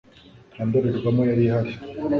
nta ndorerwamo yari ihari